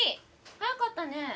早かったね。